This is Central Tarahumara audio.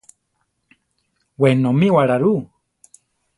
Wenomíwara rú?